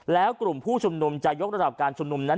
แล้วกลุ่มผู้ชุมนุมจะยกระดับการชุมนุมนั้น